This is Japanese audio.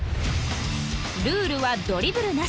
ルールはドリブルなし